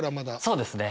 そうですね！